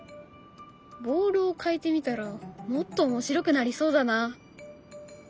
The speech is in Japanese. ボールを変えてみたらもっと面白くなりそうだな。